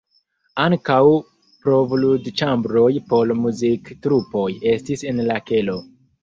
Ankaŭ provludĉambroj por muziktrupoj estis en la kelo.